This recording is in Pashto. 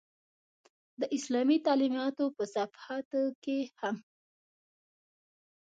د اسلامي تعلمیاتو په صفحاتو کې هم.